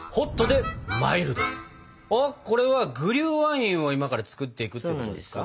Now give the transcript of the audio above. これはグリューワインを今から作っていくってことですか？